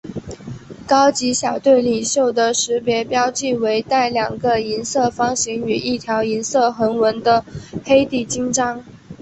高级小队领袖的识别标记为带两个银色方形与一条银色横纹的黑底襟章。